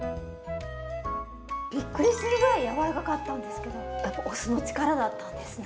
びっくりするぐらい柔らかかったんですけどやっぱお酢の力だったんですね。